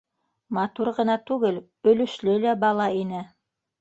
Матур ғына түгел, өлөшлө лә бала ине.